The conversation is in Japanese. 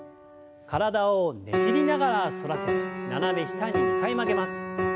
体をねじりながら反らせて斜め下に２回曲げます。